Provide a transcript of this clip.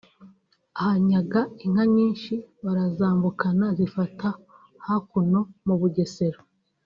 ahanyaga inka nyinshi barazambukana zifata hakuno mu Bugesera